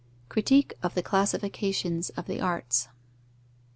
_Critique of the classifications of the arts.